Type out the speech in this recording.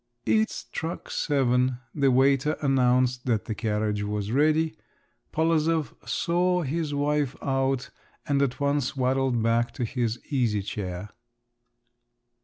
It struck seven. The waiter announced that the carriage was ready. Polozov saw his wife out, and at once waddled back to his easy chair.